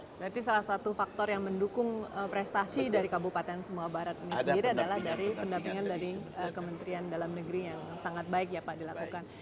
berarti salah satu faktor yang mendukung prestasi dari kabupaten semua barat ini sendiri adalah dari pendampingan dari kementerian dalam negeri yang sangat baik ya pak dilakukan